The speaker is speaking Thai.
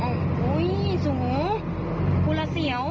โอ้ยยสูงโหฮูระเสียว